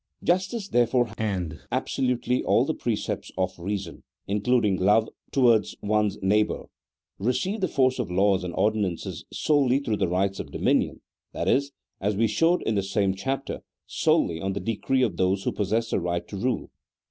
Justice, therefore, and absolutely all the precepts of reason, including love towards one's neighbour, receive the force of laws and ordinances solely through the rights of dominion, that is (as we showed in the same chapter) solely on the decree of those who possess the right to rule.